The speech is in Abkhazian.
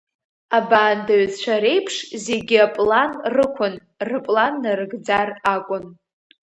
Абаандаҩцәа реиԥш, зегьы аплан рықәын, рыплан нарыгӡар акәын.